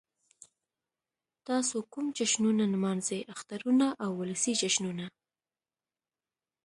تاسو کوم جشنونه نمانځئ؟ اخترونه او ولسی جشنونه